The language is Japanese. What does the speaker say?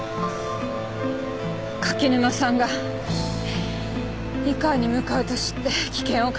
柿沼さんが井川に向かうと知って危険を感じた。